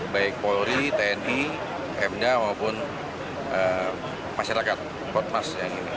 baik polri tni emda maupun masyarakat kodmas